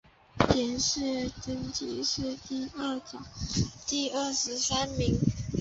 殿试登进士第二甲第二十三名。